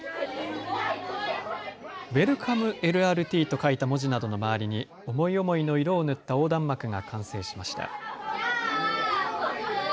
ＷＥＬＣＯＭＥ・ＬＲＴと書いた文字などの周りに思い思いの色を塗った横断幕が完成しました。